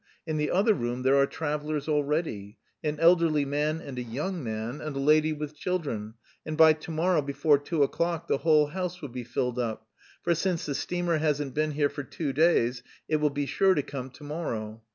In the other room there are travellers already. An elderly man and a young man and a lady with children, and by to morrow before two o'clock the whole house will be filled up, for since the steamer hasn't been here for two days it will be sure to come to morrow.